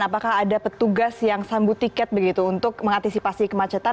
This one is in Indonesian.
apakah ada petugas yang sambut tiket begitu untuk mengantisipasi kemacetan